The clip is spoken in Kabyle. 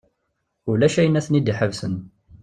Ulac ayen ara ten-id-iḥebsen.